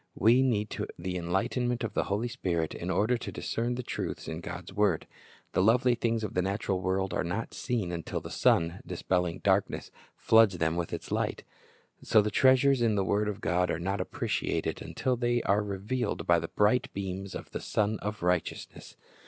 We need the enlightenment of the Holy Spirit in order to discern the truths in God's word. The lovely things of the natural world are not seen until the sun, dispelling the darkness, floods them with its light. So the treasures in the word of God are not appreciated until they are revealed by the bright beams of the Sun of Righteousness.